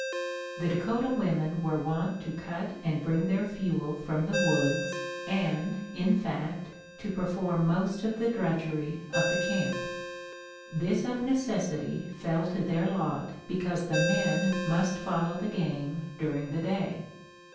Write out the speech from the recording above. The Dakota women were wont to cut and bring their fuel from the woods and, in fact, to perform most of the drudgery of the camp. This of necessity fell to their lot because the men must follow the game during the day.